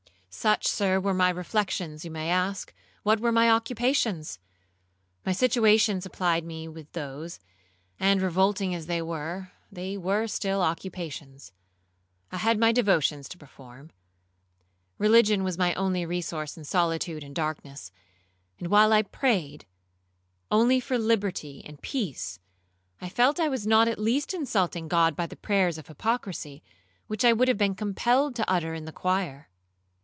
'Such, Sir, were my reflections; you may ask, what were my occupations? My situation supplied me with those, and, revolting as they were, they were still occupations. I had my devotions to perform; religion was my only resource in solitude and darkness, and while I prayed only for liberty and peace, I felt I was not at least insulting God by the prayers of hypocrisy, which I would have been compelled to utter in the choir.